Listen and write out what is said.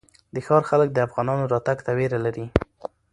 د ښار خلک د افغانانو راتګ ته وېره لري.